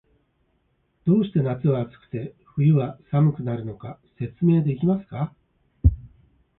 どうして夏は暑くて、冬は寒くなるのか、説明できますか？